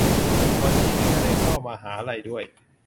วันนี้ไม่ได้เข้ามหาลัยด้วย